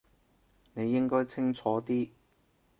你應該清楚啲